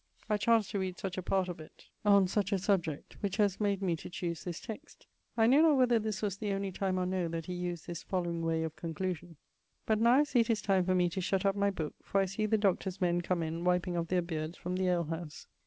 I chanced to read such a part of it, on such a subject, which haz made me to choose this text .' I know not whether this was the only time or no that he used this following way of conclusion: 'But now I see it is time for me to shutt up my booke, for I see the doctors' men come in wiping of their beardes from the ale house.'